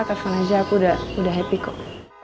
telepon aja aku udah happy kok